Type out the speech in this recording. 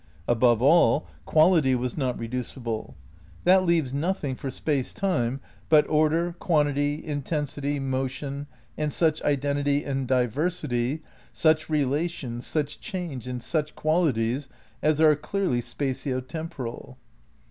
Above all. Quality was not reducible. That leaves nothing for Space Time but Order, Quantity, Intensity, Motion, and such identity and diversity, such relation, such change and such qualities as are clearly spatio temporal.